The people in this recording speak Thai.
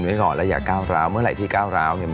ไว้ก่อนแล้วอย่าก้าวร้าวเมื่อไหร่ที่ก้าวร้าวเนี่ย